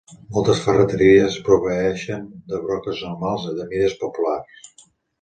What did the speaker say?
Moltes ferreteries proveeixen de broques normals de mides populars.